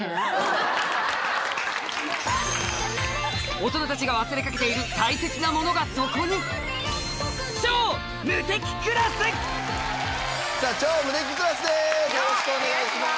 大人たちが忘れかけている大切なものがそこに『超無敵クラス』です！